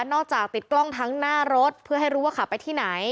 จากติดกล้องทั้งหน้ารถเพื่อให้รู้ว่าขับไปที่ไหน